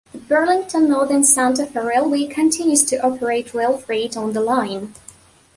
The Burlington Northern Santa Fe Railway continues to operate rail freight on the line.